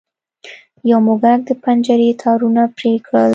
یو موږک د پنجرې تارونه پرې کړل.